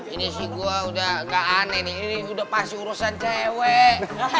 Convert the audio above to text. ini sih gue udah gak aneh nih ini udah pasti urusan cewek